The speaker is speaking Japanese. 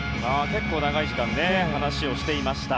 結構長い時間話をしていました。